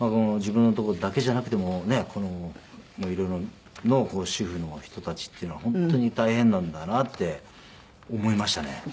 自分のところだけじゃなくてもねこのいろいろ主婦の人たちっていうのは本当に大変なんだなって思いましたね。